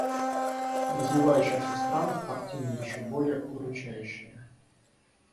В развивающихся странах картина еще более удручающая.